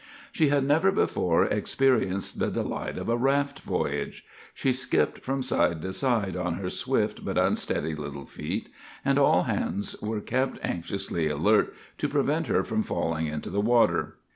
"She had never before experienced the delight of a raft voyage. She skipped from side to side on her swift but unsteady little feet, and all hands were kept anxiously alert to prevent her from falling into the water.